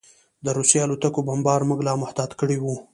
د روسي الوتکو بمبار موږ لا محتاط کړي وو